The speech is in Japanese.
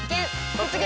「突撃！